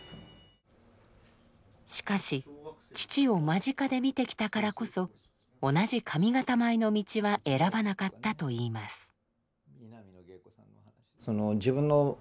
しかし父を間近で見てきたからこそ同じ上方舞の道は選ばなかったといいます。